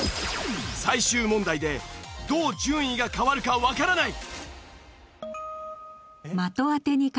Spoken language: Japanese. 最終問題でどう順位が変わるかわからない！